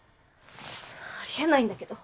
ありえないんだけど。